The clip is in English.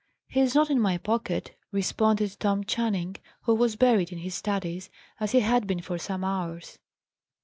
"He is not in my pocket," responded Tom Channing, who was buried in his studies, as he had been for some hours.